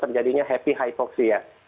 terjadinya happy hypoxia